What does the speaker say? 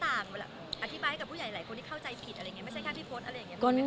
อธิบายให้กับผู้ใหญ่หลายคนที่เข้าใจผิดอะไรอย่างเงี้ย